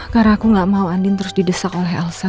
karena aku nggak mau andin terus didesak oleh elsa